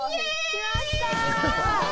来ました！